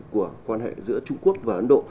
của quan hệ giữa trung quốc và ấn độ